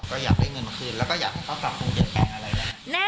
ก็อยากได้เงินคืนแล้วก็อยากให้เขากลับปรุงเจ็บแปลงอะไรนะ